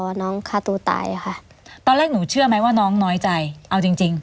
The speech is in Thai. น้องฆ่าตัวตายค่ะตอนแรกหนูเชื่อไหมว่าน้องน้อยใจเอาจริงจริง